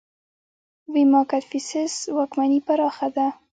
ویما کدفیسس واکمني پراخه کړه